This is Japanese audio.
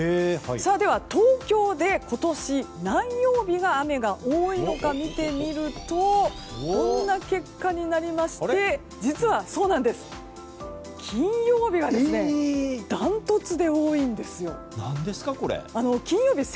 では、東京で今年何曜日の雨が多いのか見てみるとこんな結果になりまして実は、金曜日がダントツで多いんですよ。